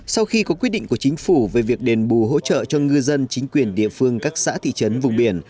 sau khi có quyết định của chính phủ về việc đền bù hỗ trợ cho ngư dân chính quyền địa phương các xã thị trấn vùng biển